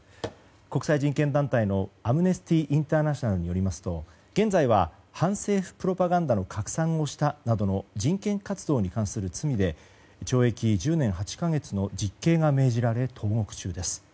国際人権団体のアムネスティ・インターナショナルによりますと現在は反政府プロパガンダの拡散をしたなどの人権活動に関する罪で懲役１０年８か月の実刑が命じられ、投獄中です。